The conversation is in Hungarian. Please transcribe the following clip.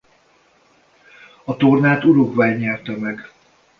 A tornát Uruguay nyerte meg.